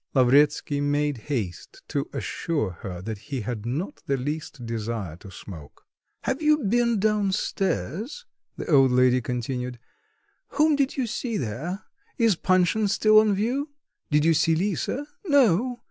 Lavretsky made haste to assure her that he had not the least desire to smoke. "Have you been down stairs?" the old lady continued. "Whom did you see there? Is Panshin still on view? Did you see Lisa? No?